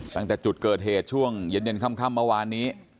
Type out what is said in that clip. ตั้งแต่จุดเกิดเหตุช่วงเย็นค่ำเมื่อวานนี้